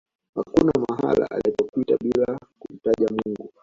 hakuna mahala alipopita bila kumtaja mungu